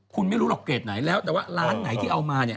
คุณไม่รู้หรอกเกรดไหนแล้วแต่ว่าร้านไหนที่เอามาเนี่ย